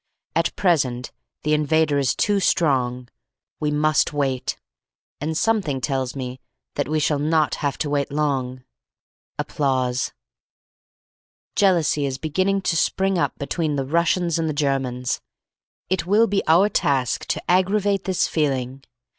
At present the invader is too strong. We must wait; and something tells me that we shall not have to wait long. Jealousy is beginning to spring up between the Russians and the Germans. It will be our task to aggravate this feeling.